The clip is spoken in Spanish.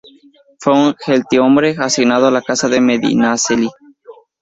Fue un gentilhombre asignado a la Casa de Medinaceli.